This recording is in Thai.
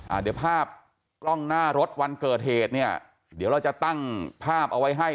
อ่าเดี๋ยวภาพกล้องหน้ารถวันเกิดเหตุเนี่ยเดี๋ยวเราจะตั้งภาพเอาไว้ให้